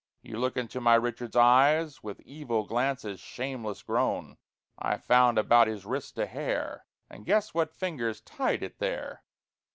You looke into my Richard's eyes With evill glances shamelesse growne; I found about his wriste a hair, And guesse what fingers tyed it there!